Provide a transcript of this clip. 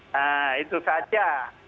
nah itu saja